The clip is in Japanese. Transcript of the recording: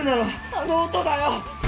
「あの音だよ！」